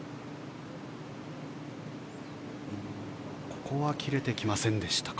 ここは切れてきませんでしたか。